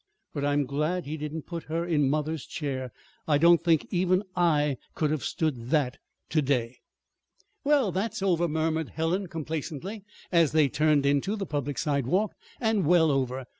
But I'm glad he didn't put her in mother's chair. I don't think even I could have stood that to day!" "Well, that's over," murmured Helen complacently, as they turned into the public sidewalk, "and well over!